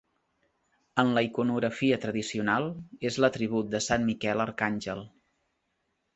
En la iconografia tradicional, és l'atribut de Sant Miquel Arcàngel.